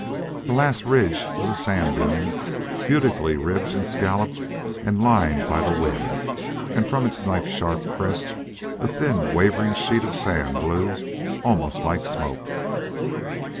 The last ridge was a sand dune, beautifully ribbed and scalloped and lined by the wind, and from its knife sharp crest a thin wavering sheet of sand blew, almost like smoke.